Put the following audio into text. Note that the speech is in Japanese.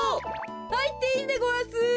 はいっていいでごわす。